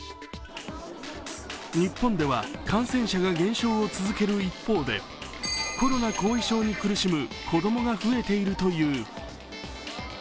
日本では感染者が減少を続ける一方でコロナ後遺症に苦しむ子供が増えているという。